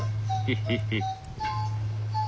ヘヘヘ。